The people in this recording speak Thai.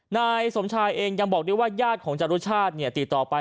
ในสนชายเองยังบอกว่าญาติของจรุชชาติติดต่อไป